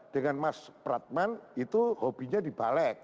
dengan mas pratman itu hobinya di balek